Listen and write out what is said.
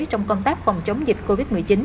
trong công tác phòng chống dịch covid một mươi chín